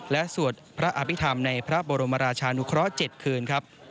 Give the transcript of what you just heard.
และสวดพระอภิษฐามในพระบรมรชานุคร๗คืน